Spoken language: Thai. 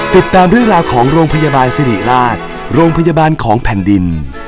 ติดตามเรื่องราวของโรงพยาบาลสิริราชโรงพยาบาลของแผ่นดิน